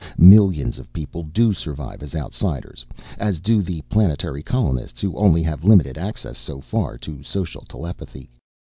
Millions of people do survive as outsiders, as do the planetary colonists who only have limited access so far to social telepathy.